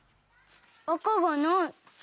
あかがない。